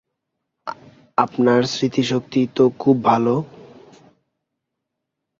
আপনার স্মৃতিশক্তি তো খুব ভালো।